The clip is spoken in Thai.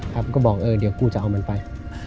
ครับก็บอกเดี๋ยวกูจะเอามันไป